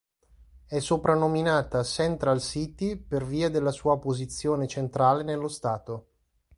È soprannominata "Central City" per via della sua posizione centrale nello stato.